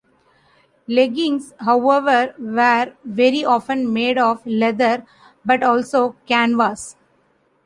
Leggings, however, were very often made of leather, but also canvas.